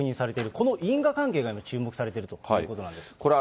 この因果関係が今、注目されているということなんです。